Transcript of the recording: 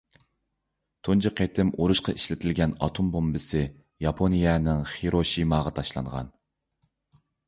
تۇنجى قېتىم ئۇرۇشقا ئىشلىتىلگەن ئاتوم بومبىسى ياپونىيەنىڭ خىروشىماغا تاشلانغان.